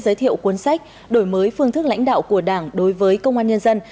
giới thiệu cuốn sách đổi mới phương thức lãnh đạo của đảng đối với công an nhân dân